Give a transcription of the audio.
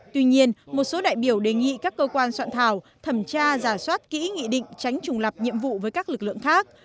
tuy nhiên một số đại biểu đề nghị các cơ quan soạn thảo thẩm tra giả soát kỹ nghị định tránh trùng lập nhiệm vụ với các lực lượng khác